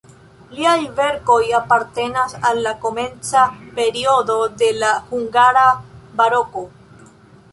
Liaj verkoj apartenas al la komenca periodo de la hungara baroko.